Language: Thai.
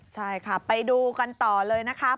ใช่ค่ะไปดูกันต่อเลยนะครับ